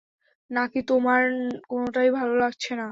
নাকি তোমার কোনটাই ভালো লাগছেনা?